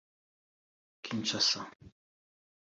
Kinshasa